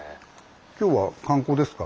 今日は観光ですか？